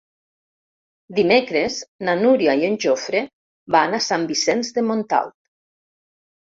Dimecres na Núria i en Jofre van a Sant Vicenç de Montalt.